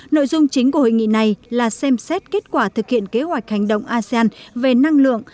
nội dung chính của hội nghị này là xem xét kết quả thực hiện kế hoạch hành động asean về năng lượng